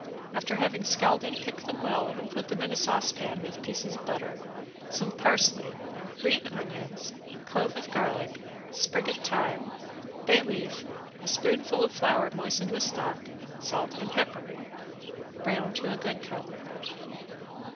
After having scalded pick them well and put in a saucepan with a piece of butter, some parsley, green onions, clove of garlic, sprig of thyme, bay leaf, a spoonful of flour moistened with stock, salt and pepper. Brown to a good color.